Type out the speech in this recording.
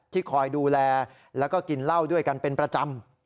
คอยดูแลแล้วก็กินเหล้าด้วยกันเป็นประจำ